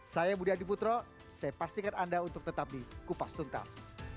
saya budi adiputro saya pastikan anda untuk tetap di kupas tuntas